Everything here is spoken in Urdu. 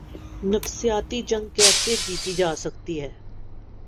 نفسیاتی جنگ کیسے جیتی جا سکتی ہے۔